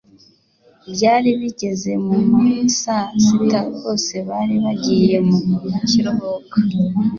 byari bigeze mu ma saa sita bose bari bagiye mu kiruhuko